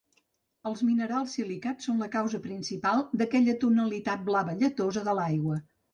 Els minerals silicats són la causa principal d'aquella tonalitat blava lletosa de l'aigua.